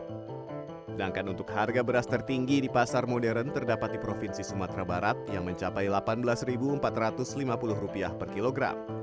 sedangkan untuk harga beras tertinggi di pasar modern terdapat di provinsi sumatera barat yang mencapai rp delapan belas empat ratus lima puluh per kilogram